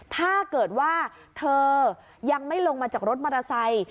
ถ้าเกิดว่าเธอยังไม่ลงมาจากรถมอเตอร์ไซค์